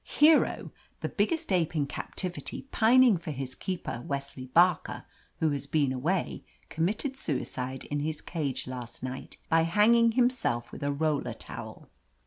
Hero, the biggest ape in captivity, pining for his keeper, Wesley Barker, who has been away, committed suicide in his cage last night by hanging himself with a roller towel.